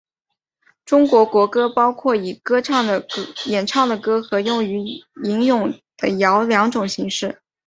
中国民歌包括用以演唱的歌和用于吟诵的谣两种形式。